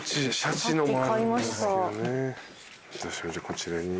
こちらに。